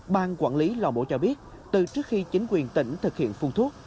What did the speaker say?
ban quản lý lò mổ cho biết từ trước khi chính quyền tỉnh thực hiện phun thuốc